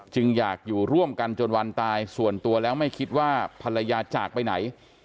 อยากอยู่ร่วมกันจนวันตายส่วนตัวแล้วไม่คิดว่าภรรยาจากไปไหน